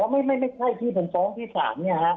ไม่ใช่ที่ผมป้องที่สาม